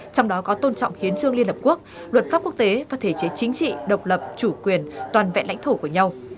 trong đó có tôn trọng hiến trương liên hợp quốc luật pháp quốc tế và thể chế chính trị độc lập chủ quyền toàn vẹn lãnh thổ của nhau